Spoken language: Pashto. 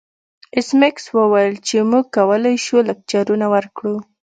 ایس میکس وویل چې موږ کولی شو لکچرونه ورکړو